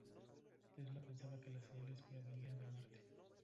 Tesla pensaba que las señales provenían de Marte.